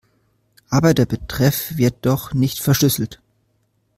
Aber der Betreff wird doch nicht verschlüsselt.